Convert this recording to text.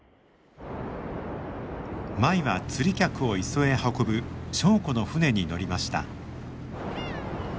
舞は釣り客を磯へ運ぶ祥子の船に乗りました。